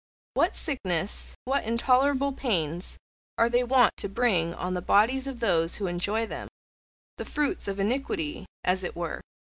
What sicknesses, what intolerable pains, are they wont to bring on the bodies of those who enjoy them the fruits of iniquity, as it were!